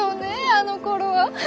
あのころは。